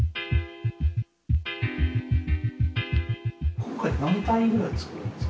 今回何体ぐらい作るんですか？